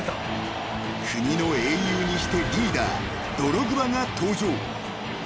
［国の英雄にしてリーダードログバが登場］